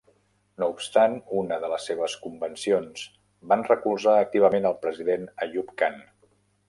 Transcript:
No obstant, una de les seves convencions van recolzar activament el president Ayub Khan.